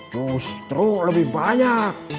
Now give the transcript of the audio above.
custru lebih banyak